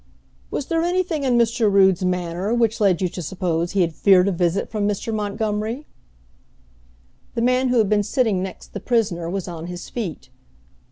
"Was there anything in Mr. Rood's manner which led you to suppose he had feared a visit from Mr. Montgomery?" The man who had been sitting next the prisoner was on his feet.